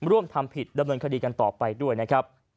ร่วมทำผิดดำเนินคดีกันต่อไปด้วยนะครับ